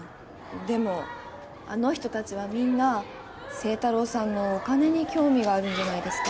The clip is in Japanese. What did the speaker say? でもあの人たちはみんな清太郎さんのお金に興味があるんじゃないですか？